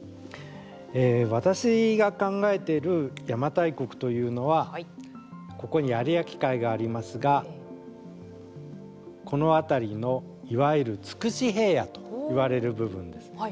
私が考えている邪馬台国というのはここに有明海がありますがこの辺りの、いわゆる筑紫平野といわれる部分です。